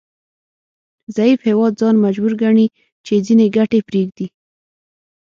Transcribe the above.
ضعیف هیواد ځان مجبور ګڼي چې ځینې ګټې پریږدي